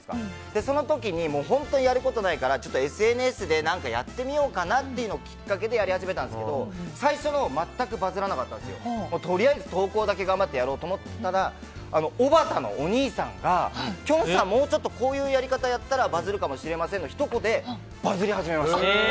その時に本当にやることないからＳＮＳで何かやってみようかなというのがきっかけでやり始めたんですが最初は全くバズらなくてとりあえず投稿だけ頑張ってやろうと思ってやってみたらおばたのお兄さんがきょんさん、もうちょっとこういうやり方でやったらバズるかもの一言でバズり始めました。